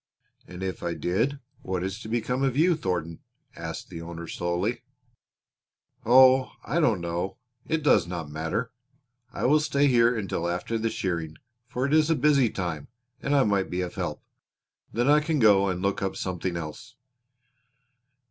"And if I did what is to become of you, Thornton?" asked the owner slowly. "Oh, I don't know. It does not matter. I will stay here until after the shearing, for it is a busy time and I might be of help. Then I can go and look up something else."